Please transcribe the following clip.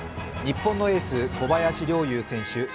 日本のエース・小林陵侑選手